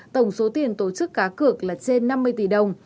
tổng số tiền tổ chức cá cược là trên năm mươi tỷ đồng